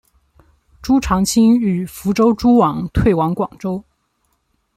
朱常清与福州诸王退往广州。